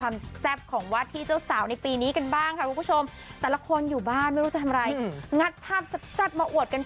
ความแซ่บของวาที่เจ้าสาวในปีนี้กันบ้างค่ะคุณผู้ชม